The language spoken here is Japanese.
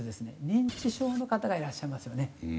認知症の方がいらっしゃいますよね。